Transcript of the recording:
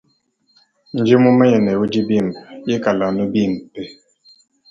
Ndi mumanye ne udi bimpe ika anu bimpe.